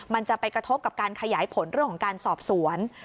มันจะไปกระทบกับการขยายผลเรื่องของการสอบสวน